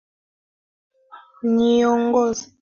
Niongoze safarini.